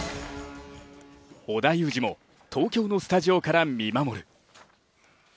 織田裕二も東京のスタジオから見守る。